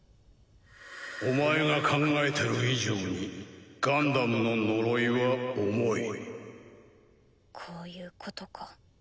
お前が考えてる以上にガンダムの呪いは重いこういうことか。